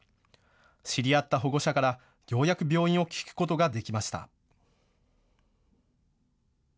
知り合った保護者からようやく病院を聞くことができました。